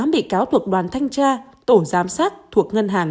một mươi tám bị cáo thuộc đoàn thanh tra tổ giám sát thuộc ngân hàng